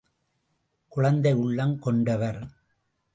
குழந்தை உள்ளம் கொண்டவர்.